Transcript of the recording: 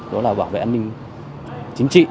đó là bảo vệ an ninh chính trị